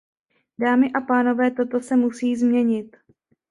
Dámy a pánové, toto se musí změnit.